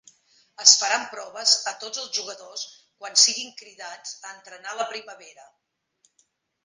Es faran proves a tots els jugadors quan siguin cridats a entrenar la primavera.